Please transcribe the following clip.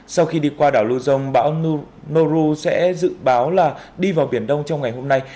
sau khi đi qua đảo lưu dông bãou sẽ dự báo là đi vào biển đông trong ngày hôm nay